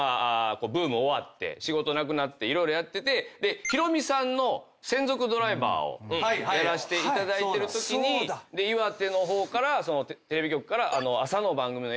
仕事なくなって色々やっててヒロミさんの専属ドライバーをやらしていただいてるときに岩手の方からテレビ局から。